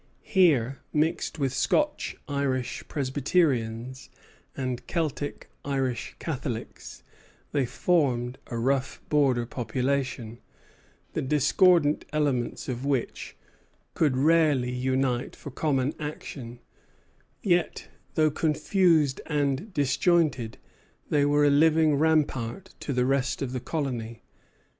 Here, mixed with Scotch Irish Presbyterians and Celtic Irish Catholics, they formed a rough border population, the discordant elements of which could rarely unite for common action; yet, though confused and disjointed, they were a living rampart to the rest of the colony.